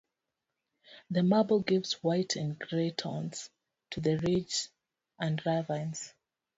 The marble gives white and gray tones to the ridges and ravines.